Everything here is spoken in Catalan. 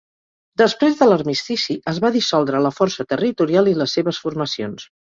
Després de l'armistici, es va dissoldre la Força Territorial i les seves formacions.